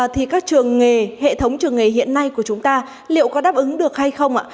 thì các trường nghề hệ thống trường nghề hiện nay của chúng ta liệu có đáp ứng được hay không ạ